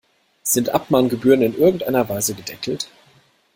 Sind Abmahngebühren in irgendeiner Weise gedeckelt?